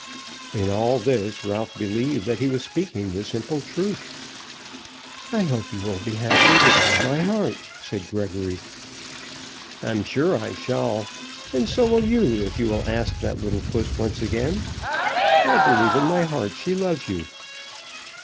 In all this Ralph believed that he was speaking the simple truth. "I hope you'll be happy, with all my heart," said Gregory. "I am sure I shall; and so will you if you will ask that little puss once again. I believe in my heart she loves you."